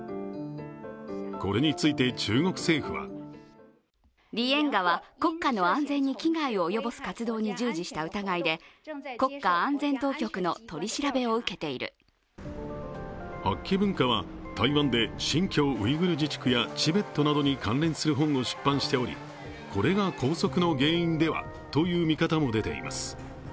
これについて、中国政府は八旗文化は台湾で新疆ウイグル自治区やチベットなどに関連する本を出版しておりこれが拘束の原因ではという見方も出ています。